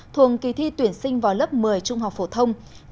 thuồng kỳ thi tuyển sinh vào lớp một mươi trung học phổ thông